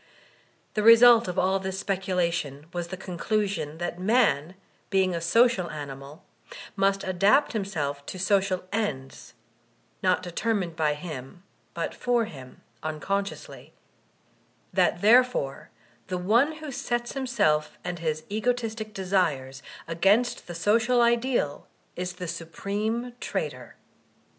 The result of all this speculation was the conclusion that man, being a social animal, must adapt himself to social ends (not determined by him but for him — un consciously) ; that therefore the one who sets himself and his egotistic desires against the social ideal is the supreme traitor.